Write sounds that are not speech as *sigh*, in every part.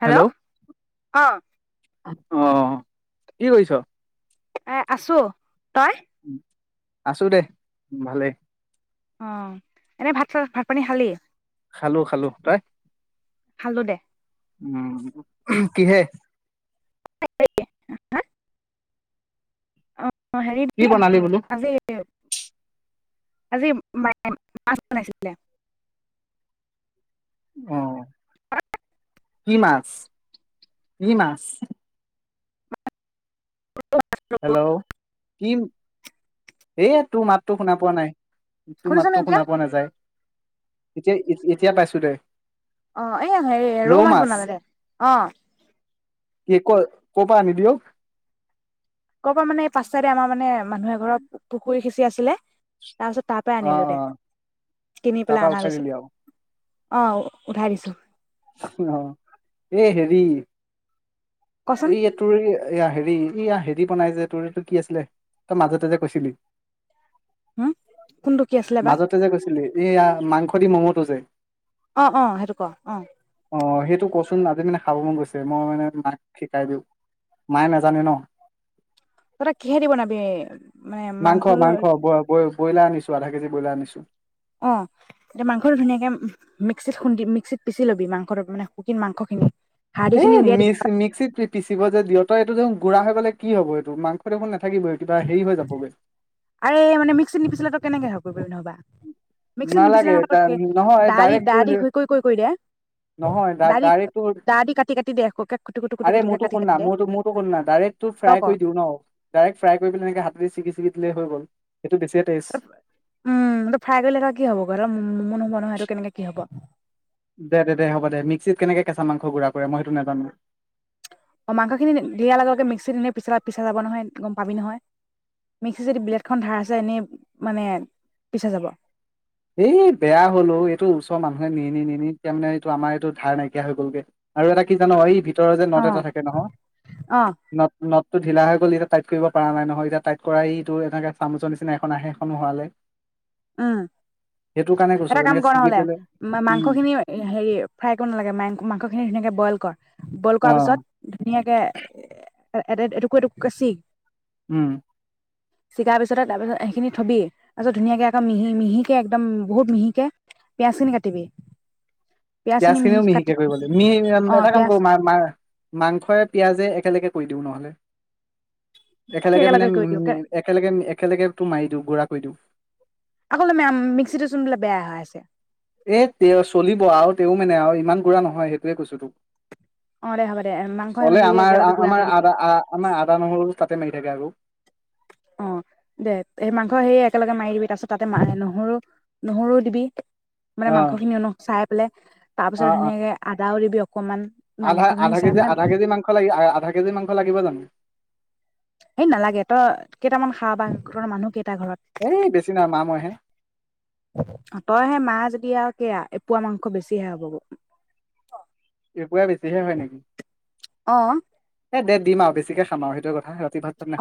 Hello কক অ কি কৰিছ? এ আছো তই? আছো দে ভালেই। অ', এনেই ভাত চাত ভাত পানী খালি? খালো খালো তই? খালো দে। উম কিহে *unintelligible* কি বনালি *unintelligible* বোলো আজি মায়ে মাছ বনাইছিলে। অ কি মাছ, কি মাছ? হেল্ল', কিম এ তোৰ মাততো শুনা পোৱা নাই তোৰ শুনিছনে মাততো এতিয়া শুনা পোৱা নাযায় এতিয়া এতিয়া পাইছোদে অ এয়া হে ৰৌ মাছ বনালে দে অ কি ক ক কৰ পৰা আনিলি অ কৰ পৰা মানে পাছ চাইদে আমাৰ মানে মানুহে এঘৰত পুখুৰী সিচি কি আছিলে? তাৰ পিছত তাৰ পৰাই অ আনিলো অ দে, কিনি তাৰ পৰা পেলাই আনা উঠাই গৈছে। দিলি আৰু অ', উঠাই দিছো। অ', এ', হেৰি। কচোন এইয়া তোৰ এইয়া এয়া হেৰি ইয়া হেৰি বনাই যে তোৰতটো কি আছিলে তই মাজেতে যে কৈছিলি হম কোনটো কি আছিলে বা মাজতে যে কৈছিলি এয়া মাংস। দি মম টো যে অ', -অ', সেইটো ক অ', অ', সেইটো কচোন আজি মানে খাব মন গৈছে মই মানে মাক শিকাই দিওঁ মায়ে নাজানে ন', তহতে, কিহেদি বনাবি? মানে মাংস মাংসটো মাংস ব ব ব্ৰইলাৰ আনিছো আধা কেজি ব্ৰইলাৰ আনিছো। অ মিক খুন্দিম মিক্সিত পিছি ল'বি মাংস মানে শুকিন মাংসখিনি হাৰ্ডি খিনি এই উলিয়াই দিবি মিক্ মিক্সিত পিচিব যে দিয়হতই এইটো যে গুড়া হৈ গলে কি হব এইটো মাংস দেখোন নাথাকিবই কিবা হেৰি হৈ যাবগৈ আৰু এই মানে মিক্সিত নিপিছিলে তই কেনেকে হয় বা মিক্সিত নিপিচিলে নালাগে ন দ দ কৰি নহয় ডাইৰেক্ট তোৰ দে নহয় দঢ়ি ডাইৰেক্ট তোৰ দা দি কাটি কাটি দে ক আৰে মোৰটো শুন না মোৰ মোৰটো শুন না ডাইৰেক্ট তো তই ক ফ্ৰাই কৰি দিওঁ ন ডাইৰেক্ট ফ্ৰাই কৰি পেল এনেকে হাতেৰে ছিগি চি। হৈ গ'ল সেইটো বেছিয়ে টেষ্ট উম ফ্ৰাই কৰিলে ম কি হব বাৰু অলপ মমো নহব নহয় সেইটো কেনেকে কি হব দে দে হ'ব দে মিক্সিত কেনেকে কেঁচা মাংস গুড়া কৰে মই সেইটো নাজানো। অ মাংসখিনি দিয়াৰ লগে লগে মিক্সিত এনেই পিছ পিছা যাব নহয় গম পাবি নহয় মিক্সিত যদি ব্লেডখন ঢাৰ আছে এনেই মানে পিছা যাব এই বেয়া হ'লো এইটো ওচৰ মানুহে নি নি নি নি এতিয়া মানে এইটো আমাৰ এইটো ধাৰ নাইকিয়া হৈ গ'লগে আৰু এটা কি জান এইত যে অ নদ এটা থাকে নহয় অ নদ নদ তটো ঢিলা হৈ গ'ল এতিয়া টাইট কৰিব পৰা নাই নহয় এতিয়া টাইট কৰাই এইটো এনেকে চামুচৰ নিচিনা এখন আহে এখনো হৰালে। উম। এটা কাম এনেকে কৰ ছিগি নহলে পেলাই উম মাংসখিনি হেৰি ফ্ৰাই কৰিব নালাগে মাংসখিনি ধুনীয়াকে বইল কৰ বইল অ কৰা পিছত ধুনীয়াকে এ এ এটো এটোক এটোক কে চি উম। চিকাৰ পিছতে তাৰ পাছত ত সেইখিনি থবি তাৰ পিছত ধুনীয়াকে। মিহি মিহিকে একদম বহুত মিহিকে পিয়াজ খিনি কাটিবি। খিনি পিয়াজ খিনিও মিহি কাটি মিহিকে কৰিব লাগিব অ মিহি এটা কাম পিয়াজ কৰো ম মা মাংসৰে পিয়াজে একেলগে কৈ দিওঁ নহ'লে একেলগে মানে কৰি উ দিওঁ একেলগে একেলগে তোৰ মাৰি দিও। গু়ৰা কৰি দিওঁ আকৌ যে মেম মিক্সিটো চোন বোলে বেয়া হৈ আছে এ তে চলিব আৰু তেও মানে আৰু ইমান গু়ৰা নহয় সেইটোৱে কৈছো অ দে হ'ব দে মাংস তোক চলে হেৰি আমাৰ একেলগে গুড়া আমাৰ কৰি দিবি আদা আ আমাৰ আদা নহৰু তাতে ম এ বু অ দে সেই মাংস সেই একেলগে মাৰি দিবি তাৰপিছত তাতে ম নহৰু নহৰু দিবি মানে অ মাংসখিনিও ন চাই পেলাই তাৰ পিছত অ ধুনীয়াকে আদাল আধা আধা কেজি আধা কেজি মাংস লাগি আহ আধা কেি কেজি মাংস লাগিব জানো হেই নালাগে ত কেইটামান খা বা ঘৰৰ মানুহ কেই টা ঘৰত এই বেছি নাই মা মইহে তই সেই মা যদি আৰু সেয়া এপোৱা মাংস বেছিহে হ'বগৈ এপুৰা বেছিহে হয় নেকি অ এ দে দিম আৰু বেছিকৈ খাম আৰু সেইটোৱে কথ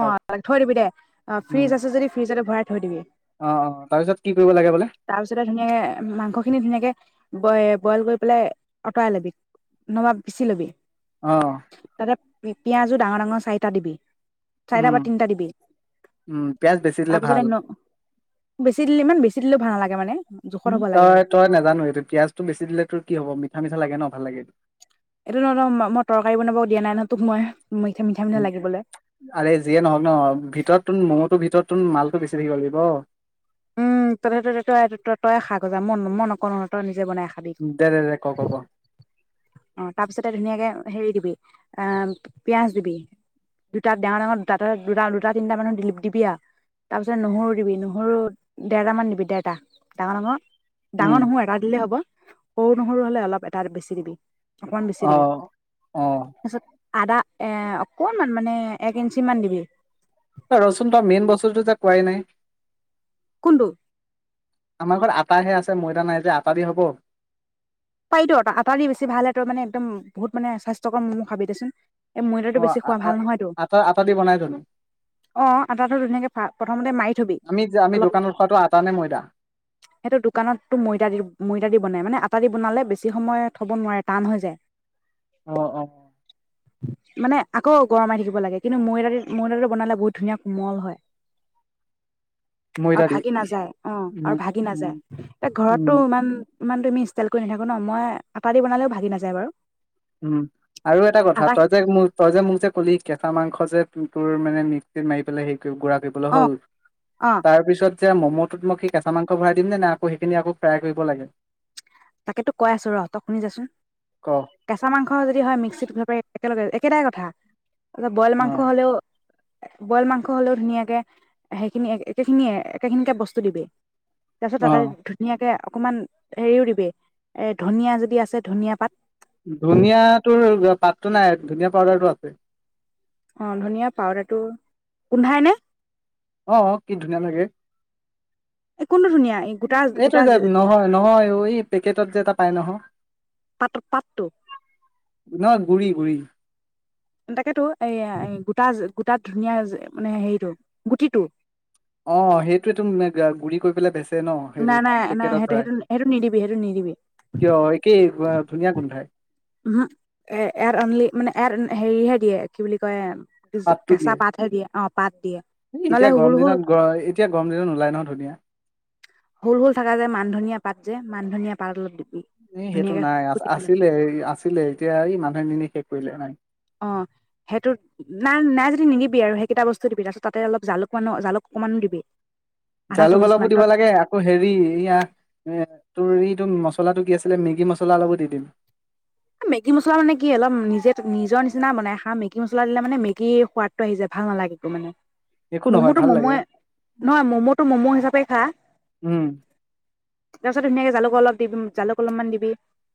অ থৈ দিবি দে অ উম ফ্ৰিজ আছে যদি ফ্ৰিজতে ভৰাই থৈ দিবি অ অ তাৰপিছত কি কৰিব লাগে বোলে তাৰপিছতে ধুনীয়াকে মাংসখিনি ধুনীয়াকে ব‌ই বইল কৰি পেলাই আঁতৰাই ল'বি নহবা পিচি ল'বি অ তাতে পি পিঁয়াজো ডাঙৰ ডাঙৰ চাৰিটা দিবি চাৰিটা উম বা তিনিটা দিবি উম পিয়াজ বেচি দিলে তাৰপিছতে ভাল বেছি দিলে ইমান বেছি দিলেও ভাল নালাগে মানে জোখত হ'ব লাগে আৰু তই তই নাজান এইটো পিয়ঁয়াজটো বেছি দিলে তোৰ কি হব মিঠা মিঠা লাগে ন ভাল লাগে এইটো নহ‌য় ন ম মই তৰকাৰী বনাব দিয়া নাই নহয় তোক মই মিঠা মিঠা মিঠা লাগিবলৈ আৰে যিয়ে নহওক ন ভিতৰততো মমটো ভিতৰত তুন মালটো বেছি থাকিব লাগিব উম তহ তই ত ত‌ই তয়ে খাগৈ যা ম মই নকওঁ নহলে তই নি জে বনাই খাবি দে দে দে ক ক ক অ তাৰপিছতে ধুনীয়াকে হেৰি দিবি আহ পিয়াজ দিবি দুটা ডাঙৰ ডাঙৰ দুটা দুটা দুটা তিনটা মানৰ দিবি আৰু তাৰ পিছত নহৰু দিবি নহৰু ডেৰটাৰামান দিবি ডেৰটা ডাঙৰ ডাঙৰ উম ডাঙৰ নহৰু এটা দিলে হ'ব সৰু নহৰু হলে অলপ এটা বেছি দিবি অকমান বেছি অ দিবি অ তাৰপিছত আদা এ অকনমান মানে এক ইঞ্চি মান দিবি ৰচুন ত মেইন বস্তুটো যে কোৱাই নাই কোনটো আমাৰ ঘৰত আটাহে আছে ময়দা নাই যে আটা দি হব পাৰিটো আটা আটা দি বেছি ভাল তই মানে একদম বহুত মানে স্বাস্থ্যকৰ মম খাবি দেচোন এই ময়দাটো অ বেছি আ খোৱা আ ভাল নহয়তো আটা আটা দি বনাই জানো অ আটাটো ধুনীয়াকে প্ৰথমতে মাৰি থবি আমি যে আমি অলপ দোকানত খোৱাটো আটা নে ময়দা সেইটো দোকানতটো ময়দা দি ময়দা দি বনাই মানে আটা দি বনালে বেছি সময় থ'ব নোৱাৰে টান হৈ যায় অ অ মানে আকৌ গৰমাই থাকিব লাগে কিন্তু ময়দটো ময়দাটো বনালে বহুত ধুনীয়া কোমল হয় আৰু ময়দা দি ভাগি নাযায় অ উম আৰু ভাগি উম নাযায় এতিয়া উম ঘৰতটো ইমান ইমান তুমি ষ্টাইল কৰি নাথাকো ন মই আটা দি বনালেও ভাগি নাযায় বাৰু উম আৰু এটা কথা আটা তই যে তই যে মোক যে কলি কে হাহ মাংস যে তোৰ মানে মিক্সিত মাৰি পেলাই সে গুৰা কৰি পেলোৱা অ' হ'ল অ' তাৰ পিছত এতিয়া ম'ম'টোত মই কি কেঁচা মাংস ভৰাই দিম নে আকৌ সেইখিনি আকৌ ফ্ৰাই কৰিব লাগে তাকেতো কৈ আছো ৰহঁ ত শুনি যাচোন ক অ কেঁচ মাংস যদি হয় মিক্সিত ঘূৰাব পাৰি একেলগে একেটাই কথা। বইল মাংস হলেও বইল মাংস হলেও ধুনীয়াকে সেইখিনি একেখিনি একেখিনিকে বস্তু দিবি। তাৰপাছত অ তাতে ধুনীয়াকে অকণমান হেৰিও দিবি। এ ধনিয়া যদি আছে ধনিয়া পাত। ধনিয়া তোৰ পাতটো নাই ধুনীয়া পাউদাৰটো আছে। অ ধনিয়া পাউদাৰটো গোন্ধাই নে? অ কি ধুনীয়া লাগে। এই কোনটো ধুনীয়া এই গোটা এইটো গোটা যে নহয়-নহয় পেকেটত যে ত পায় নহয়। পাত পাতটো ন গুৰি-গুৰি। তাকেতো এই গোটা, গোটাত ধুনীয়া মানে হেৰিটো গুটিটো। অ সেইটো গুৰি কৰি পেলাই বেছি ন নাই হেৰিত নাই নাই পেকেটত সেইটো ভৰাই সেইটো সেইটো নিদিবি সেইটো নিদিবি কিয় একেই ধুনীয়া গোন্ধাই। উম, এ এয়াৰ অনলি মানে এয়াৰ হেৰিহে দিয়ে কি বুলি কয়? পাতটো কেঁচা দিয়ে পাতহে দিয়ে অ পাত দিয়ে নহ'লে এতিয়া হুল গৰম হুল দিনত গ এতিয়া গৰম দিনত নোলাই নহয় ধনিয়া। হুল-হুল থাকা যে মান ধনিয়া পাত যে মান ধনিয়া পাত অলপ দিব। এ সেইটো নাই আছিলে-আছিলে এতিয়া এই মান নাই নি শেষ কৰিলে নাই। অ, সেইটো নাই নাই যদি নিদিবি আৰু সেইকেইটা বস্তু দিবি তাৰপিছত তাতে অলপ জালুক মানো জালুক অকমানো দিবি। আধা জালুক চামুচ অলপো মান দিব তত লাগে আকৌ হেৰি এয়া এ তোৰ এইটো মছলাটো কি আছিলে মেগী মছলাৰ অলপো দি দিম। মেগী মছলা মানে কি অলপ নিজে নিজৰ নিচিনা বনাই খা মেগি। মেক মলা দিলে মানে মেগীৰ সোৱাদ আহি যছে ভাল নালাগে একো মানে। একো নহয় ম'ম'টো ভাল লাগে ম'মোয়ে, নহয় ম'ম'টো ম'ম' হিচাপে খা। উম তাৰ পিছত ধুনিয়াকৈ জালুক অলপ, জালুক অলপমান দিবি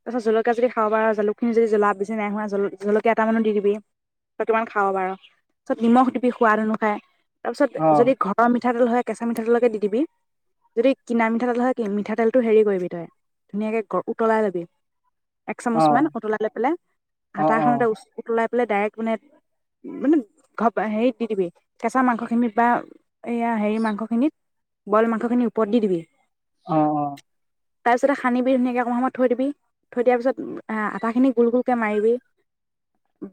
তাৰ পাছ জলকীয়া যদি খাব বাৰু জালুকখিনি যদি জ্বলা বেছি নাই হোৱা জ জলকীয়া এটামানো দি দিবি অকমান খাব বাৰু পিছত নিমখ দিবি সোৱাদ অনুসাৰে। তাৰপিছত অ যদি ঘৰ মিঠাতেল হয় কেঁচা মিঠাতেলকে দি দিবি। যদি কিনা মিঠাতেল হয় কি মিঠাতেলটো হেৰি কৰিবি তই ধুনীয়াকে গ - উতলাই লবি। এক অ চামুচ মান উতলাই লৈ পেলাই অ হাটা অ এখনতে উতলাই বলে ডাইৰেক্ট মানে - মানে হেৰিত দি দিবি কেঁচা মাংসখিনিত বা এইয়া হেৰি মাংসখিনিত বইল মাংসখিনি ওপৰত দি দিবি। অ' অ'। তাৰপিছতে সানিবি ধুনীয়াকে অকমান সময় থৈ দিবি। থৈ দিয়াৰ পিছত আটাখিনি গোল গোলকৈ মাৰিবি।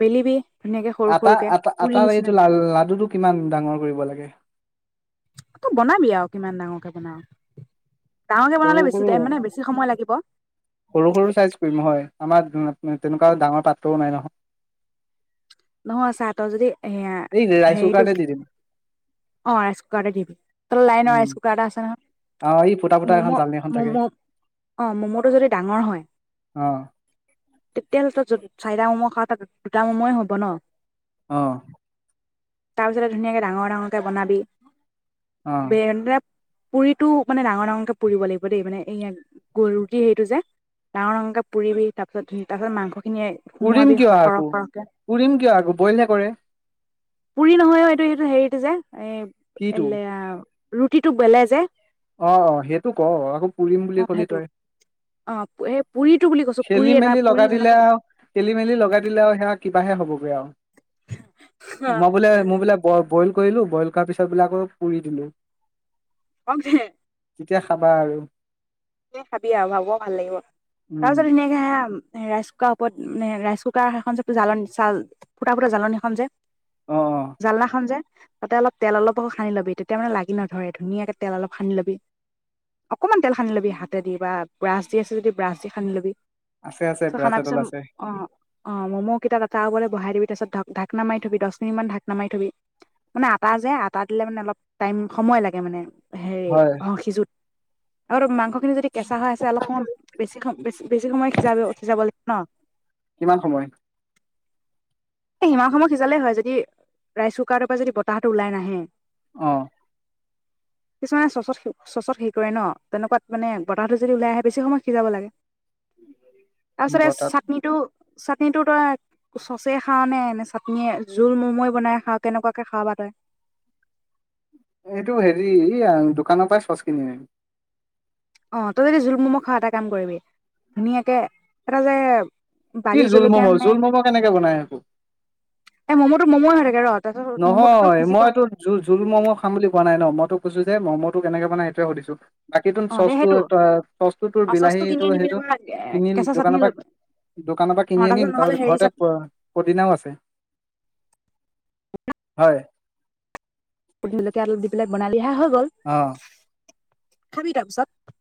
বেলিবি। ধুনীয়াকে সৰু আটা- সৰুকে আটা - পুৰি আটাৰ নিচিনা এইটো লা -লাডুটো কিমান ডাঙৰ কৰিব লাগে? তই বনাবি আৰু কিমান ডাঙৰকে বনাও। ডাঙৰকে বনালে সৰু বেছি সৰু, টাইম মানে বেছি সময় লাগিব সৰু সৰু চাইজ কৰিম হয়। আমাৰ তেনেকুৱা ডাঙৰ পাত্ৰও নাই নহয়। নহয় চা তই যদি এয়া এই ৰাইচ হেৰিটো কুকাৰতে দি দিম। অ ৰাইচ কুকাৰতে দিবি তল লাইনৰ উম ৰাইচ কুকাৰ এটা আছে। অ এই ফুটা ফুটা মম' এখন জালনী এখন - থাকে মম' অ মম'টো যদি ডাঙৰ হয় অ *unintelligible* যত চাৰিটা ম'ম' খাওঁ তাক দুটা ম'ম' য়ে হ'ব ন? অ'। তাৰপিছতে ধুনীয়াকে ডাঙৰ ডাঙৰকে বনাবি। অ *unintelligible* পুৰিটো মানে ডাঙৰ ডাঙৰকে পুৰিব লাগিব দেই মানে এইয়া ৰুটি সেইটো যে ডাঙৰ ডাঙৰকে পুৰিবি তাৰ পিছত - তাৰ পিছত মাংস উৰিম কিয় আকো? উৰিম কিয় আকো? বইল হে কৰে। পুৰি নহয় অ এইটো সেইটো হেৰিটো যে কিটো এ ৰুটিটো বেলে যে। অ অ। সেইটো ক আকৌ পুৰিম বুলি অ' কলি সেইটো তই। অ' সেই পুৰিটো বুলি কৈছো পুৰি খেলি এটা মেলি পুৰি লগাই দিলে যেনেকে আৰু খেলি মেলি লগাই দিলে আৰু সেয়া কিবাহে হব। *unintelligible* মই বোলে মই বোলে বৰ বইল কৰিলোঁ বইল কৰাৰ পিছত বোলে আকৌ পুৰি দিলোঁ। *inaudible* তেতিয়া খাবা আৰু। এ খাবি আৰু ভাল লাগিব উম তাৰ পিছত ধুনীয়াকে ৰাইচ কুকাৰ ওপৰত মানে ৰাইচ কুকাৰ সেইখন যে জালনী চাল ফুটা ফুটা জালনী খন যে। অ অ জালনাখন যে তাতে অলপ তেল অলপো সানি লবি তেতিয়া মানে লাগি নধৰে, ধুনীয়াকে তেল অলপ সানি ল'বি। অকনমান তেল সানি লবি হাতে দি বা ব্ৰাছ দি আছে যদি ব্ৰাছ দি সানি লবি। আছে আছে। চ ব্ৰাছ সানাৰ এডাল পিছত আছে। অ অ ম'ম' কেইটাত আটা বলে বহাই দিবি তাৰপিছত ঢাকনা মাৰি থবি দছ মিনিট মান ঢাকনা মাৰি থবি মানে আটা যে আটা দিলে মানে অলপ টাইম সময় লাগে মানে হে হয় অ সিজুত আৰু মাংস মাংস যদি কেঁচা হৈ আছে অলপ সময় বেছি বেছি সময় সিজাব সিজাব লাগিব ন কিমান সময়? এই সিমান সময় সিজালেই হয় যদি ৰাইচ কুকাৰৰ পৰা যদি বতাহটো ওলাই নাহে অ কিছুমানে চচত চচত হে কৰে ন তেনেকুৱাত মানে বতাহটো যদি ওলাই আহে বেছি সময় সিজাব লাগে তাৰপিছতে বতাত চাটনিটো চাটনিটো তই চচ খাও নে নে চাটনীয়েে জোল মমো বনাই খাও কেনেকুৱাকে খাৱ তই এইটো হেৰি দোকানৰ পৰাই চচ কিনি আম অ তই যদি জোল মম' খোৱ এটা কাম কৰিবি ধুনীয়াকে এটা যে কি বালি জোল জলকীয়া ম'ম' নে জোল ম'ম' কেনেকে বনাই আকৌ এ ম'ম'টো ম'ম'ই হৈ থাকে ৰ তাৰপিছত ম'ম'টোতো নহয় সিজিব মইতো জো জোল মম' খাম বুলি কোৱা নাই ন মইতো কৈছো যে মম'টো কেনেকে বনাই সেইটো সুধিছো বাকী তো অ দে চচটো সেইটো চচটো তোৰ অ চচটো কিনি বিলাহীটো আনিবি সেইটো তাৰপৰা কিনিল কেঁচা চাটনি দোকানৰ পৰা ল'বি দোকানৰ পৰা অ কিনি আনিম নহ'লে তাৰপিছত হেৰি চাট ঘৰতে পদিনাও আছে হয় ভূত জলকীয়া আলু দি পেলে বিহা হৈ গ'ল অ'। খাবি তাৰপিছত